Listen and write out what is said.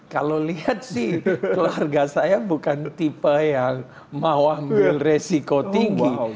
kalau lihat sih keluarga saya bukan tipe yang mau ambil resiko tinggi